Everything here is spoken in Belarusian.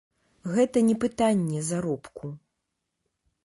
Гэта не пытанне заробку.